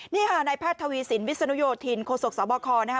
นี่ค่ะนายแพทย์ทวีสินวิศนุโยธินโคศกสบคนะคะ